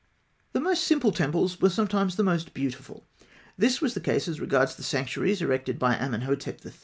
] The most simple temples were sometimes the most beautiful. This was the case as regards the sanctuaries erected by Amenhotep III.